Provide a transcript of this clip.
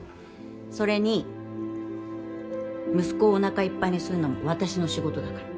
それに息子をおなかいっぱいにするのも私の仕事だから